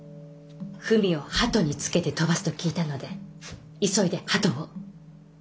文を鳩につけて飛ばすと聞いたので急いで鳩を。